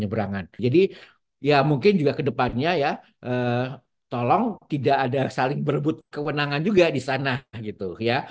penyeberangan jadi ya mungkin juga kedepannya ya tolong tidak ada saling berebut kewenangan juga di sana gitu ya